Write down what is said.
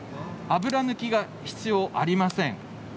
油抜きが必要ありません。